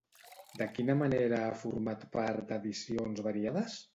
De quina manera ha format part d'edicions variades?